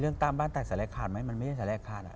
เรื่องตามบ้านแตกสละคาดมั้ยมันไม่ใช่สละคาด